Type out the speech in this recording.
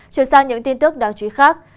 chuyển sang những tin tức đáng chú ý khác